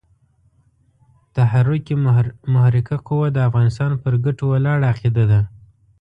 تحرک محرکه قوه د افغانستان پر ګټو ولاړه عقیده ده.